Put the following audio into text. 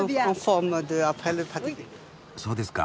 そうですか。